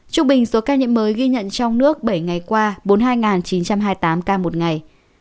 trung bình số ca nhiễm mới ghi nhận trong nước bảy ngày qua bốn mươi hai chín trăm hai mươi tám ca một ngày